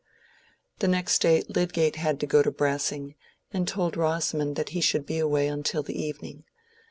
The next day Lydgate had to go to Brassing, and told Rosamond that he should be away until the evening.